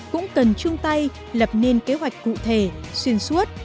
cũng cần chung tay lập nên kế hoạch cụ thể xuyên suốt